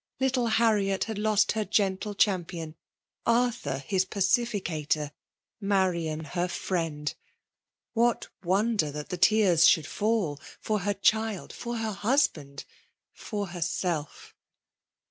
Little Harriet had lost her gentle champion, Arthur his pacificator, Marian her friend. What wonder that her tears should fall, — ^for her child — for her husband — ^for herself